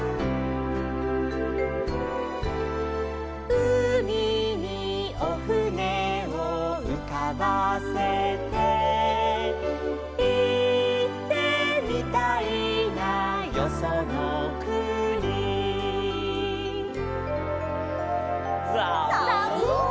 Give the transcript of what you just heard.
「うみにおふねをうかばせて」「いってみたいなよそのくに」ザブン！